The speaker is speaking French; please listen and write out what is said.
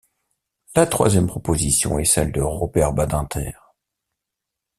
La troisième proposition est celle de Robert Badinter.